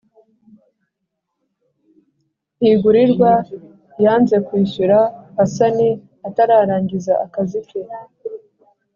Ntigurirwa yanze kwishyura hasani atararangiza akazi ke